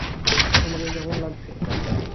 আমাকে কেমন লাগছে?